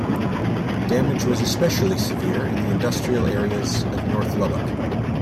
Damage was especially severe in the industrial areas of north Lubbock.